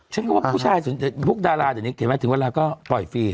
คุณก็ว่าผู้ชายพวกดาราเห็นไหมถึงเวลาก็ปล่อยฟรี